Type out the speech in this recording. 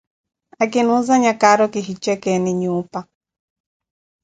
Akinuuzanya kaaro kihi jekeeni nyuupa.